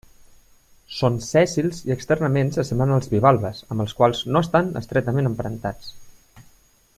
Són sèssils i externament s'assemblen als bivalves, amb els quals no estan estretament emparentats.